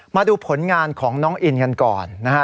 มาดูผลงานของน้องอินกันก่อนนะฮะ